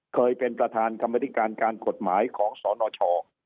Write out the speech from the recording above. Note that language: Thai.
เคยเป็นประธานกรรมธิการการกฎหมายของสนช